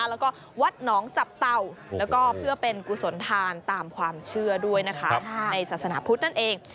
แล้วก็วัดหนองจับเต่าแล้วก็เพื่อเป็นกุศลทานตามความเชื่อด้วยนะคะในศาสนาพุทธนั่นเอง